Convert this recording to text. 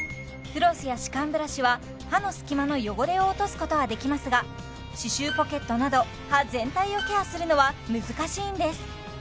フロスや歯間ブラシは歯の隙間の汚れを落とすことはできますが歯周ポケットなど歯全体をケアするのは難しいんです